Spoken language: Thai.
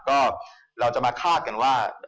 ก็เราจะมาคาดกันว่า